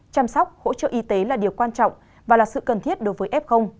chăm sóc hỗ trợ y tế là điều quan trọng và là sự cần thiết đối với f